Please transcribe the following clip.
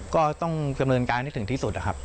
ก็ต้องดำเนินการให้ถึงที่สุดนะครับ